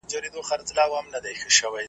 له ناكامه به يې ښځه په ژړا سوه .